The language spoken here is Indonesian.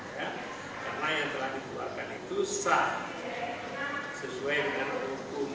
karena yang telah dibuatkan itu sah sesuai dengan hukum